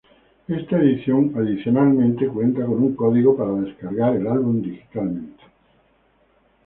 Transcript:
Esta edición, adicionalmente cuenta con un código para descargar el álbum digitalmente.